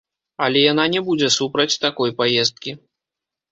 Але яна не будзе супраць такой паездкі.